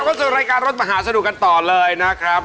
ขอบคุณสุดรายการรถมหาสนุกกันต่อเลยนะครับ